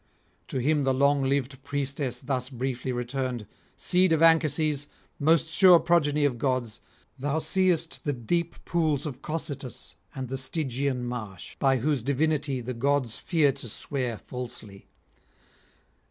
To him the long lived priestess thus briefly returned: 'Seed of Anchises, most sure progeny of gods, thou seest the deep pools of Cocytus and the Stygian marsh, by whose divinity the gods fear to swear falsely.